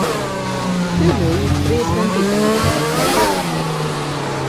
Küllői részben titánból vannak.